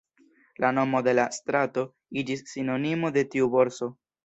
La nomo de la strato iĝis sinonimo de tiu borso.